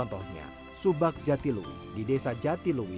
ubah sabuknya menjadi penghubungan yang sangat luas